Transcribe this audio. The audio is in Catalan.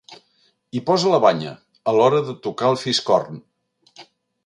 Hi posa la banya, a l'hora de tocar el fiscorn.